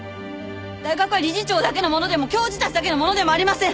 大学は理事長だけのものでも教授たちのだけのものでもありません。